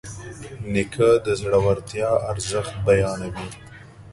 نیکه د زړورتیا ارزښت بیانوي.